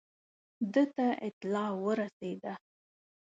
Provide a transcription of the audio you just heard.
ده ته اطلاع ورسېده.